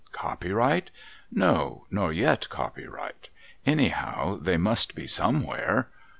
Copyright? No, nor yet copyright. Anyhow they must be somewhere